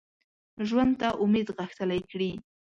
ژوند ته امید غښتلی کړي